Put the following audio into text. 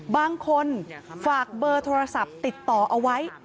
บางคนฝากเบอร์โทรศัพท์ติดต่อเอาไว้